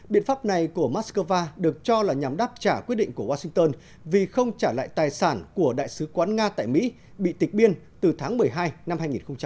biện pháp này của moscow được cho là nhằm đáp trả quyết định của washington vì không trả lại tài sản của đại sứ quán nga tại mỹ bị tịch biên từ tháng một mươi hai năm hai nghìn một mươi tám